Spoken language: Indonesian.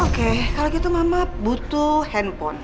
oke kalau gitu mama butuh handphone